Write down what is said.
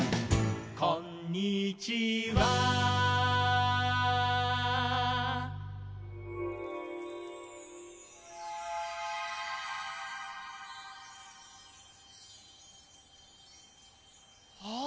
「こんにちは」ああ！